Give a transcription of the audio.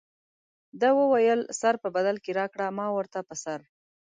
ده وویل سر په بدل کې راکړه ما ورته په سر.